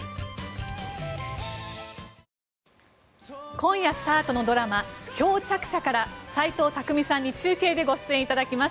今夜スタートのドラマ「漂着者」から斎藤工さんに中継でご出演いただきます。